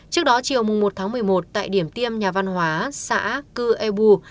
trước đó chiều một một mươi một tại điểm tiêm nhà văn hóa xã cư ê bù